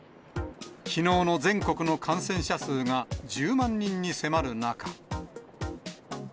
きのうの全国の感染者数が１０万人に迫る中。